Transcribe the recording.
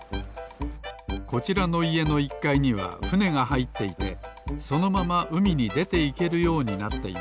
こちらのいえの１かいにはふねがはいっていてそのままうみにでていけるようになっています。